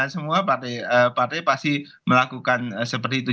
semua partai pasti melakukan seperti itu